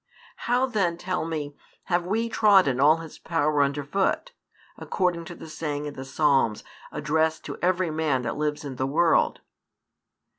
How then, tell me, have we trodden all his power under foot, according to the saying in the Psalms addressed to every man that lives in the world?